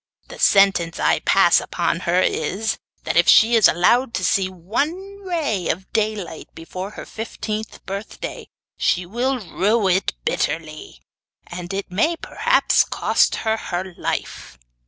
The sentence I pass upon her is, that if she is allowed to see one ray of daylight before her fifteenth birthday she will rue it bitterly, and it may perhaps cost her her life.